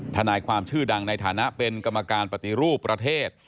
ทนายความชื่อดังในฐานะเป็นกรรมการปฏิรูปประเทศ